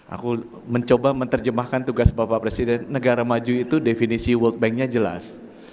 aku mencoba menerjemahkan tugas bapak presiden negara maju itu definisi world banknya jelas